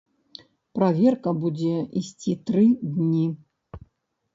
Праверка будзе ісці тры дні.